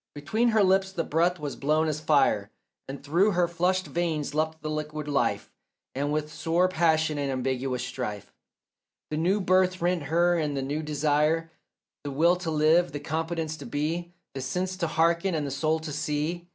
Between her lips the breath was blown as fire, And through her flushed veins leapt the liquid life, And with sore passion and ambiguous strife The new birth rent her and the new desire, The will to live, the competence to be, The sense to hearken and the soul to see.